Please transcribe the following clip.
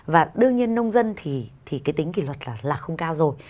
và đương nhiên nông dân thì cái tính kỷ luật cả là không cao rồi